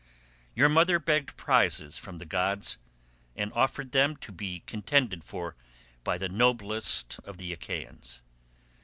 Your mother begged prizes from the gods, and offered them to be contended for by the noblest of the Achaeans.